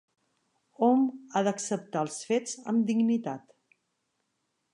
Hom ha d'acceptar els fets, amb dignitat.